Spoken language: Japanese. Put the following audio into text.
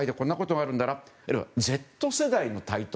あるいはＺ世代の台頭。